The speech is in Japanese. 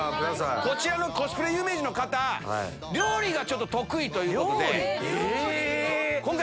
こちらのコスプレ有名人の方料理が得意ということで今回。